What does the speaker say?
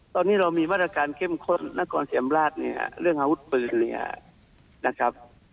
ตอนนี้เรามีมาตรการเข้มข้นนครศรีธรรมราชเนี่ยเรื่องอาวุธปืนเนี่ยนะครับ